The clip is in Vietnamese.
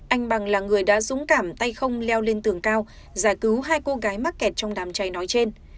anh bằng là người đã dũng cảm tay không leo lên tường cao giải cứu hai cô gái mắc kẹt trong đám cháy nói trên